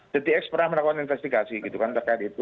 dtx pernah melakukan investigasi gitu kan terkait itu